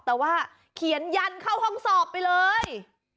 แต่ว่าเขียนยันเข้าห้องสอบไปเลย